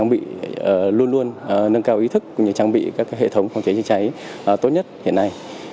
nâng cao ý thức trang bị các hệ thống phòng cháy chữa cháy tốt nhất hiện nay